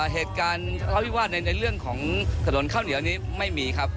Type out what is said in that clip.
เหตุการณ์ทะเลาวิวาสในเรื่องของถนนข้าวเหนียวนี้ไม่มีครับ